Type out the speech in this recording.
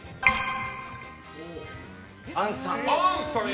杏さん。